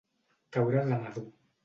Caure de madur.